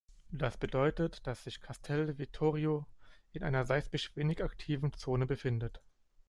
Das bedeutet, dass sich Castel Vittorio in einer seismisch wenig aktiven Zone befindet.